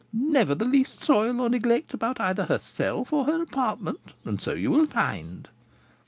Never the least soil or neglect about either herself or her apartment, and so you will find."